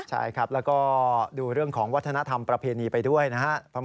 ใช่ครับแล้วก็ดูเรื่องของวัฒนธรรมประเพณีไปด้วยนะครับ